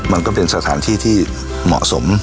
มันก็เป็นสถานที่ที่เหมาะสม